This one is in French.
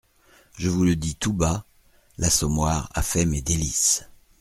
Je vous le dis tout bas : l'Assommoir a fait mes délices.